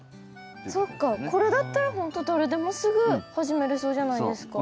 これだったらほんと誰でもすぐ始めれそうじゃないですか。